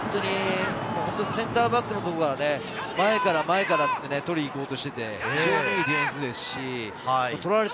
センターバックのところが前から前からと取りに行こうとしていて、非常にいいディフェンスですし、取られた